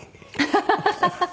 ハハハハ！